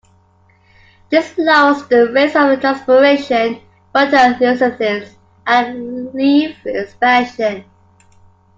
This lowers the rates of transpiration, photosynthesis and leaf expansion.